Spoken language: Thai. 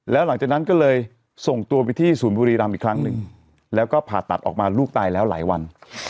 แล้วหลังจากนั้นก็เลยส่งตัวไปที่ศูนย์บุรีรำอีกครั้งหนึ่งแล้วก็ผ่าตัดออกมาลูกตายแล้วหลายวัน